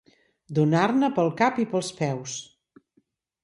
Donar-ne pel cap i pels peus.